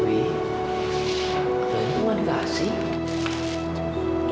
dewi ada pertanyaan kasih